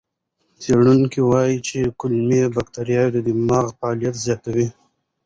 څېړونکي وایي چې کولمو بکتریاوې د دماغ فعالیت زیاتوي.